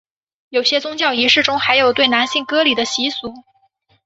有些宗教仪式中还有对男性割礼的习俗。